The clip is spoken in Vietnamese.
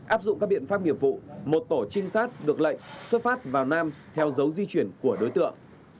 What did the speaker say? áp dụng các biện pháp nghiệp vụ một tổ trinh sát được lệnh xuất phát vào nam theo dấu di chuyển của đối tượng